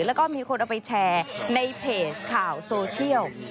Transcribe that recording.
แล้วก็มีคนเอาไปแชร์ในเพจข่าวโซเชียล